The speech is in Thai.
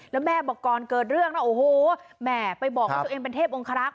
แล้วแม่บอกก่อนเกิดเรื่องนะโอ้โหแม่ไปบอกว่าตัวเองเป็นเทพองคลักษ